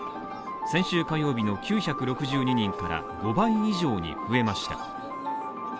先週火曜日の９６２人から５倍以上に増えました。